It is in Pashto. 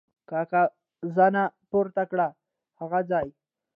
کاکا زنه پورته کړه: هغه ځای!